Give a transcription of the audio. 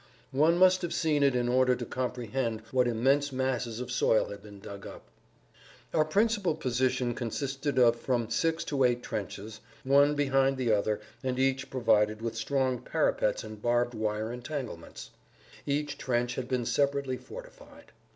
One must have seen it in order to comprehend what immense masses of soil had been dug up. Our principal position consisted of from 6 to 8 trenches, one behind the other and each provided with strong parapets and barbed wire entanglements; each trench had been separately fortified.